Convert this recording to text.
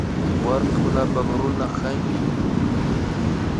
Warmikunapak Runa hañiy